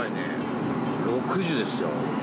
６０ですよ。